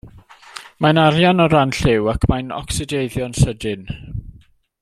Mae'n arian o ran lliw ac mae'n ocsideiddio'n sydyn.